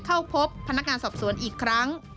เข้าพบพนักงานสอบสวนอีกครั้ง